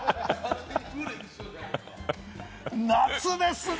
夏ですね！